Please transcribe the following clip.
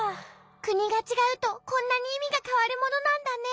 くにがちがうとこんなにいみがかわるものなんだね。